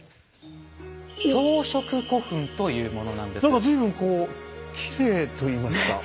何か随分こうきれいといいますか。